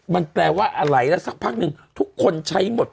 มันแปลว่าอะไรแล้วสักพักหนึ่งทุกคนใช้หมด